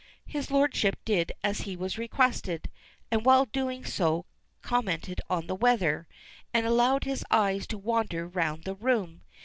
His lordship did as he was requested, and while doing so commented on the weather, and allowed his eyes to wander round the room.